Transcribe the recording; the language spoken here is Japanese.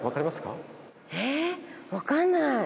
えー、分かんない。